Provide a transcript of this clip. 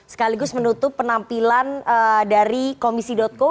sekaligus menutup penampilan dari komisi co